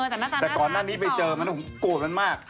แต่หน้าตาแต่ก่อนหน้านี้ไปเจอมันผมโกรธมันมาก